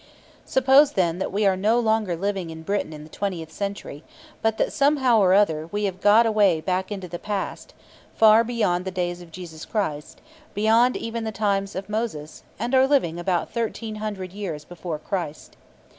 Suppose, then, that we are no longer living in Britain in the twentieth century, but that somehow or other we have got away back into the past, far beyond the days of Jesus Christ, beyond even the times of Moses, and are living about 1,300 years before Christ.